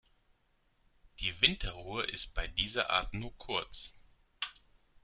Die Winterruhe ist bei dieser Art nur kurz.